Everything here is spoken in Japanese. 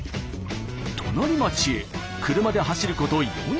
隣町へ車で走ること４０分。